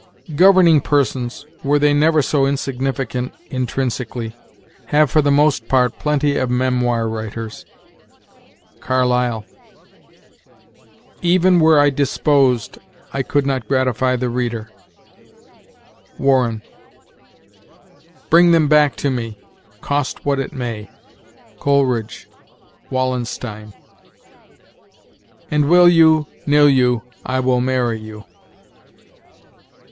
"'Governing persons, were they never so insignificant intrinsically, have for most part plenty of Memoir writers.' Carlyle. "'Even were I disposed, I could not gratify the reader.' Warren. "'Bring them back to me, cost what it may.' Coleridge, 'Wallenstein.' "'And will you, nill you, I will marry you.'